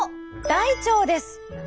大腸です！